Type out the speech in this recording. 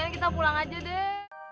kita pulang aja deh